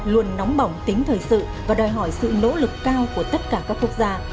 luôn nóng bỏng tính thời sự và đòi hỏi sự nỗ lực cao của tất cả các quốc gia